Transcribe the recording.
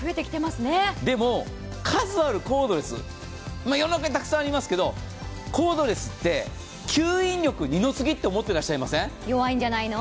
でも、数あるコードレス世の中にたくさんありますがコードレスって吸引力二の次って思ってらっしゃいません？